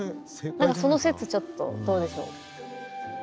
何かその説ちょっとどうでしょう。